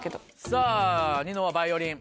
さぁニノはバイオリン。